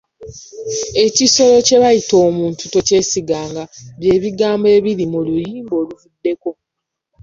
Ekisolo kye bayita omuntu tokyesiganga, by'ebigambo ebiri mu luyimba oluvuddeko.